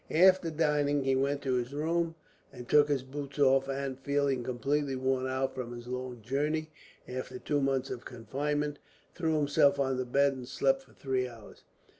After dining he went to his room and took his boots off and, feeling completely worn out from his long journey, after two months of confinement, threw himself on the bed and slept for three hours.